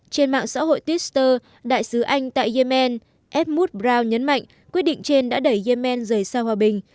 trên mạng xã hội twitter đại sứ anh tại yemen ép muth brown nhấn mạnh quyết định trên đã đẩy yemen rời xa hòa bình